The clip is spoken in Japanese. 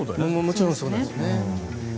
もちろんそうなんですよね。